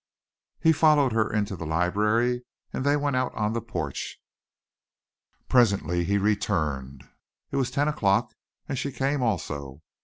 He followed her into the library and they went out on the porch. Presently he returned it was ten o'clock and she came also.